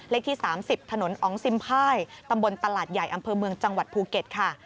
ที่๓๐ถนนอองซิมภายตำบลตลาดใหญ่อำเภอเมืองจังหวัดภูเก็ตค่ะ